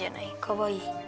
かわいい。